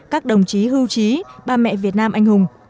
các đồng chí hưu trí bà mẹ việt nam anh hùng